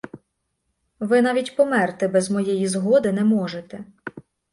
Ви навіть померти без моєї згоди не можете.